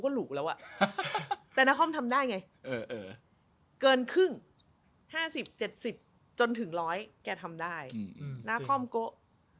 หน้าคล่อมโกะ